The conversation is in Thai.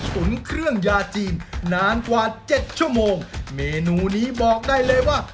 ตุ๋นเครื่องยาจีนนานกว่าเจ็ดชั่วโมงเมนูนี้บอกได้เลยว่า